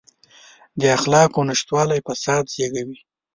د اخلاقو نشتوالی فساد زېږوي.